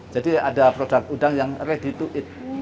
jadi ada produk udang yang ready to eat